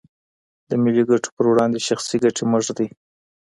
د ملي ګټو پر وړاندې شخصي ګټې مه ږدئ.